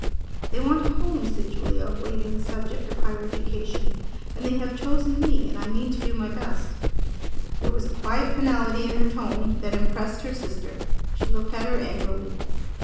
"They want a home," said Julia, waiving the subject of higher education; "and they have chosen me, and I mean to do my best." There was a quiet finality in her tone that impressed her sister. She looked at her angrily.